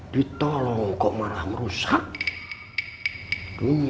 sebagai orang tua makanya sudah memaafkan